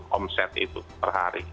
kompensas itu per hari